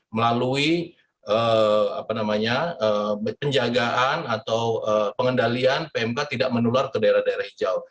melalui penjagaan atau pengendalian pmk tidak menular ke daerah daerah hijau